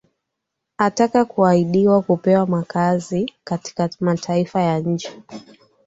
ata kuahidiwa kupewa makaazi katika mataifa ya nje